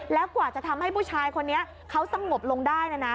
แล้วกว่าจะทำให้ผู้ชายคนนี้เขาสงบลงได้นะ